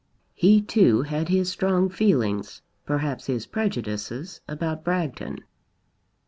He too had his strong feelings, perhaps his prejudices, about Bragton.